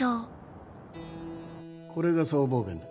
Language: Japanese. これが僧帽弁だ